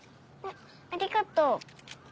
ありがとう。